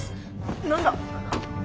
何だ？